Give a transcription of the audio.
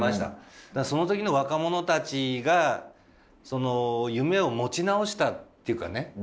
その時の若者たちがその夢を持ち直したっていうかね。